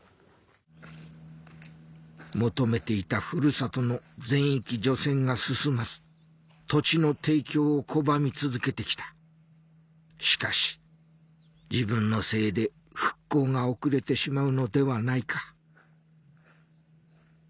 求めていたふるさとの全域除染が進まず土地の提供を拒み続けて来た「しかし自分のせいで復興が遅れてしまうのではないか」